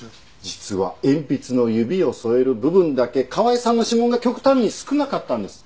実は鉛筆の指を添える部分だけ川井さんの指紋が極端に少なかったんです。